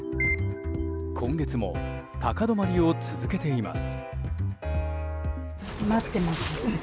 今月も高止まりを続けています。